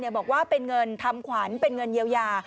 บอกว่าเป็นเงินทำขวัญเป็นเงินเยียวยา